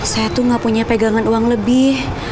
saya tuh gak punya pegangan uang lebih